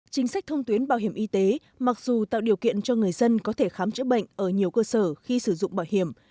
chính sách thông tuyến bảo hiểm y tế mặc dù tạo điều kiện cho người dân có thể khám chữa bệnh ở nhiều cơ sở khi sử dụng bảo hiểm